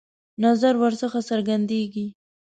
نظر ورڅخه څرګندېدی.